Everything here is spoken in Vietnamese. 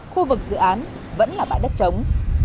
khu vực dự án vẫn là bãi đất trống